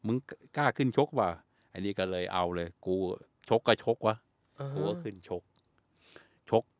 มึงกล้าขึ้นชกว่ะไอ้นี่ก็เลยเอาเลยกูชกก็ชกวะกูก็ขึ้นชกชก